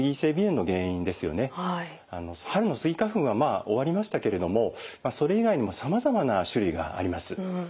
春のスギ花粉はまあ終わりましたけれどもそれ以外にもさまざまな種類があります。